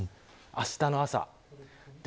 あしたの朝です。